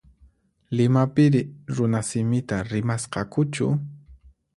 Limapiri runasimita rimasqakuchu?